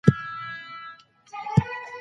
هلته به ډېر نوي شيان زده کړئ.